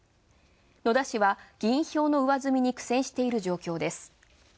野田氏は議員票の上づみに苦戦している状況です。